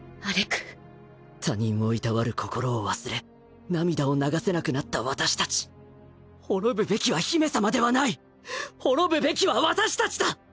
他人をいたわる心を忘れ涙を流せなくなった私たち滅ぶべきは姫様ではない滅ぶべきは私たちだ！